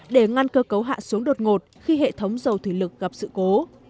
để ngăn cơ cấu hạ xuống đột ngột khi hệ thống dầu thủy lực gặp sự cố